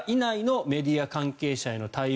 外出するメディア関係者への対応。